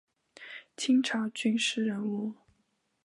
清朝军事人物。